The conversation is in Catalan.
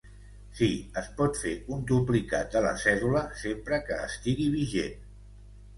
Sí, es pot fer un duplicat de la cèdula sempre que estigui vigent.